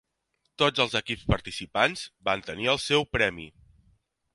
Tots els equips participants van tenir el seu premi.